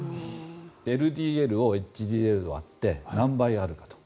ＬＤＬをＨＤＬで割って何倍あるかと。